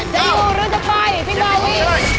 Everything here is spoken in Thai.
จะอยู่หรือจะไป